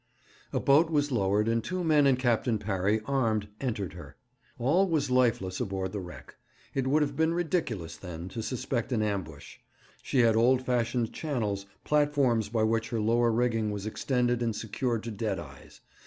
A boat was lowered, and two men and Captain Parry, armed, entered her. All was lifeless aboard the wreck. It would have been ridiculous, then, to suspect an ambush. She had old fashioned channels, platforms by which her lower rigging was extended and secured to dead eyes.